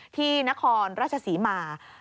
ที่นครราชศรีมา